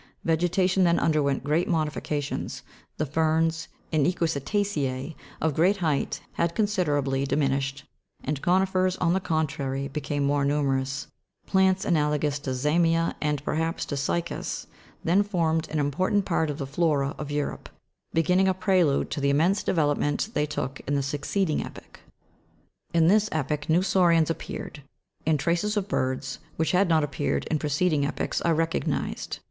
Vegetation then underwent great modifi cations ; the ferns and equisita'cerc of great height had considera bly diminished, and coni'fers, on the contrary, became more numerous : plants analogous to za'mia, and perhaps to cy'cas (Jigs. 305, 306), then formed an important part of the flora of Europe, being a prelude to the immense development they took in the succeeding epoch. Fig. 305. Za'mia pungens. Fig. 30fi. Cy'cas revoluta. In this epoch new saurians appeared, and traces of birds, which had not appeared in preceding epochs, are recognised.